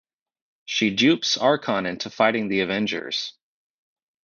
She dupes Arkon into fighting the Avengers.